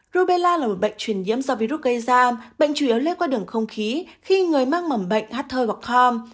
rubella là một bệnh truyền nhiễm do virus gây ra bệnh chủ yếu lấy qua đường không khí khi người mang mẩm bệnh hát thơi hoặc khom